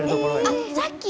あさっき！